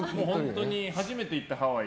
本当に、初めて行ったハワイ。